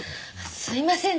すいません